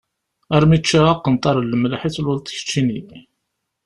Armi ččiɣ aqenṭar n lmelḥ i d-tluleḍ keččini.